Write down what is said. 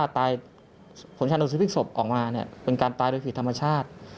ผลชนสูตรพลิกศพออกมาเป็นการตายโดยผิดธรรมชาติ